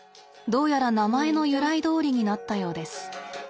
どうやら名前の由来どおりになったようです。